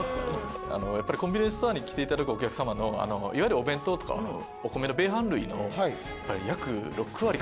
やっぱりコンビニエンスストアに来ていただくお客様のいわゆるお弁当とかお米の。